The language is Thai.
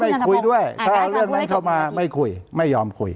คุยด้วยถ้าเอาเรื่องนั้นเข้ามาไม่คุยไม่ยอมคุย